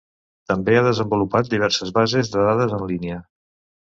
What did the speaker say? També ha desenvolupat diverses bases de dades en línia.